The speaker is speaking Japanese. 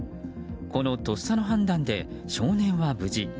このとっさの判断で少年は無事。